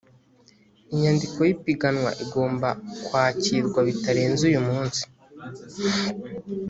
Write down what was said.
inyandiko y’ipiganwa igomba kwakirwa bitarenze uyu munsi